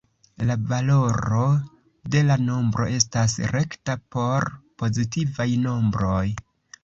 La valoro de la nombro estas rekta por pozitivaj nombroj.